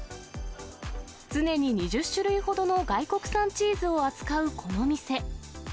常に２０種類ほどの外国産チーズを扱うこの店。